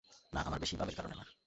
না, আমার বেশি ভাবের কারনে না।